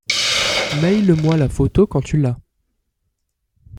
Mail moi la photo quand tu l'as.